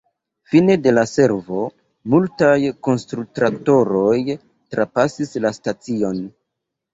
Fine de la servo, multaj konstru-traktoroj trapasas la stacion.